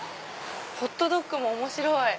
ホットドッグも面白い！